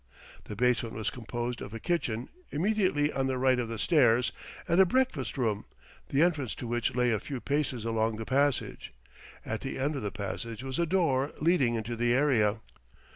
The basement was composed of a kitchen, immediately on the right of the stairs, and a breakfast room, the entrance to which lay a few paces along the passage. At the end of the passage was a door leading into the area.